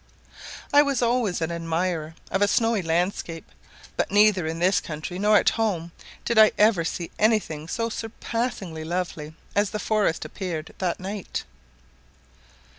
I was always an admirer of a snowy landscape, but neither in this country nor at home did I ever see any thing so surpassingly lovely as the forest appeared that night.